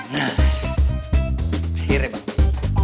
nah akhirnya mbak